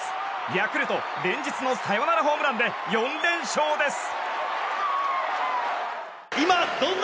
ヤクルト連日のサヨナラホームランで４連勝です。